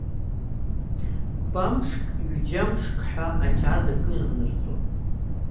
Ьамшк ҩ-џьамшк ҳәа ақьаад акы нанырҵоит.